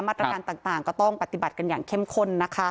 มาตรการต่างก็ต้องปฏิบัติกันอย่างเข้มข้นนะคะ